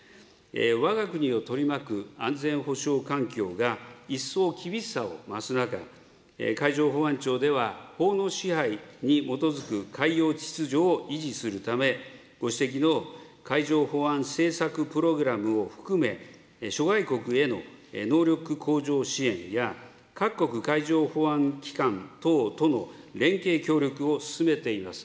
わが国を取り巻く安全保障環境が一層厳しさを増す中、海上保安庁では、法の支配に基づく海洋秩序を維持するため、ご指摘の海上保安政策プログラムを含め、諸外国への能力向上支援や、各国海上保安機関等との連携協力を進めています。